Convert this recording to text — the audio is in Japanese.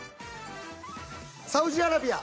「サウジアラビア」。